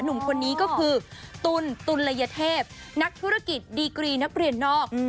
หนุ่มคนนี้ก็คือตุลตุลยเทพนักธุรกิจดีกรีนักเรียนนอก